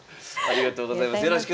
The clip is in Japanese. ありがとうございます。